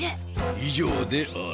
以上である。